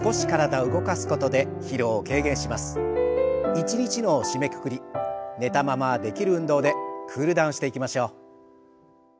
一日の締めくくり寝たままできる運動でクールダウンしていきましょう。